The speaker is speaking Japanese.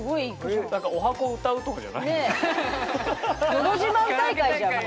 のど自慢大会じゃんもう。